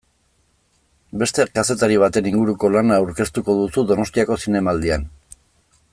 Beste kazetari baten inguruko lana aurkeztuko duzu Donostiako Zinemaldian.